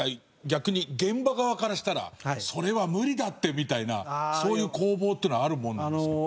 逆に現場側からしたら「それは無理だって！」みたいなそういう攻防っていうのはあるもんなんですか？